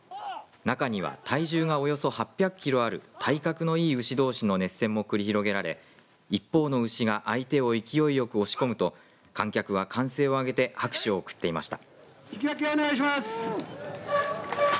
中には体重がおよそ８００キロある体格のいい牛どうしの熱戦も繰り広げられ一方の牛が相手を勢いよく押し込むと観客は歓声を上げて拍手を送っていました。